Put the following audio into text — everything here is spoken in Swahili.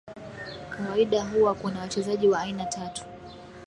kawaida huwa Kuna wachezaji wa aina tatu